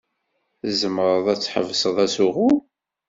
Tzemreḍ ad tḥebseḍ asuɣu?